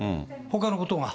ほかのことが。